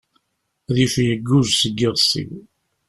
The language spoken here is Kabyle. Adif yegguğ seg yiɣes-iw.